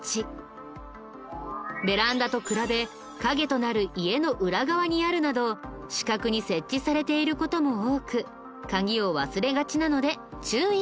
ベランダと比べ陰となる家の裏側にあるなど死角に設置されている事も多く鍵を忘れがちなので注意しましょう。